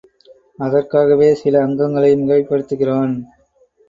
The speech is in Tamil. அதற்காகவே சில அங்கங்களை மிகைப்படுத்துகிறான்.